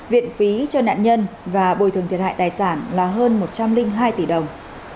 viện phí cho nạn nhân và bồi thường thiệt hại tài sản là hơn một trăm linh hai tỷ đồng